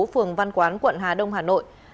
phường văn quán quận hà đông hà nội